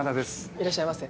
いらっしゃいませ。